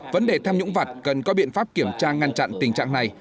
vấn đề tham nhũng vặt cần có biện pháp kiểm tra ngăn chặn tình trạng này